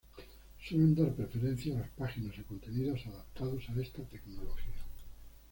Suelen dar preferencia a las páginas o contenidos adaptados a esta tecnología.